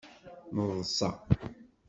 Neḍṣa.